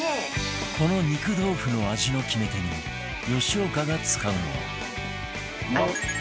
この肉豆腐の味の決め手に吉岡が使うのは